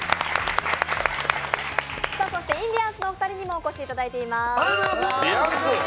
そしてインディアンスのお二人にもお越しいただいています。